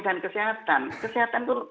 dan kesehatan kesehatan itu